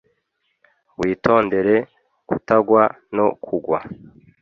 Witondere kutagwa no kugwa